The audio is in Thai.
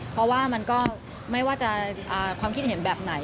เพราะว่ามันก็ไม่ว่าจะความคิดเห็นแบบไหน